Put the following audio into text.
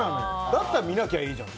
だったら見なきゃいいじゃん。